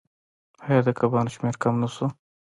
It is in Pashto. آیا د کبانو شمیر کم نشو؟